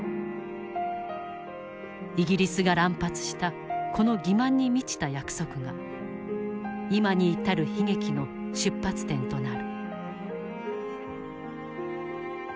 イギリスが乱発したこの欺まんに満ちた約束が今に至る悲劇の出発点となる。